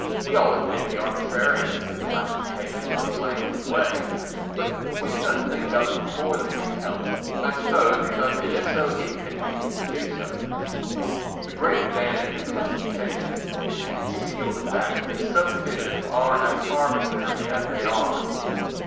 We all admit the arbitrariness of classifications in a languid way, but we do not think of it more than we can help—I suppose because it is so inconvenient to do so. The great advantage of classification is to conceal the fact that subdivisions are as arbitrary as they are.